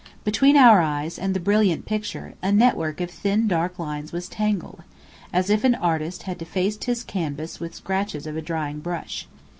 Between our eyes and the brilliant picture, a network of thin dark lines was tangled, as if an artist had defaced his canvas with scratches of a drying brush.